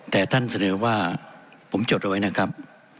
แต่ท่านเสนอว่าผมจดเอาไว้นะครับ